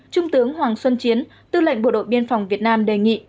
trung tướng hoàng xuân chiến tư lệnh bộ đội biên phòng việt nam đề nghị